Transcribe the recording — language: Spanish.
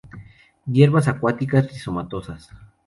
Hierbas acuáticas rizomatosas.